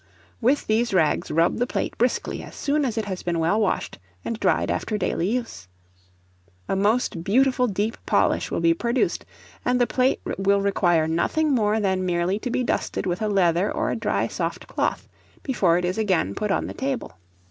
With these rags rub the plate briskly as soon as it has been well washed and dried after daily use. A most beautiful deep polish will be produced, and the plate will require nothing more than merely to be dusted with a leather or a dry soft cloth, before it is again put on the table.